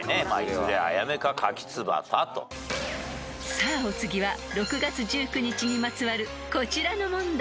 ［さあお次は６月１９日にまつわるこちらの問題］